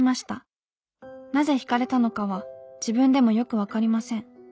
なぜひかれたのかは自分でもよく分かりません。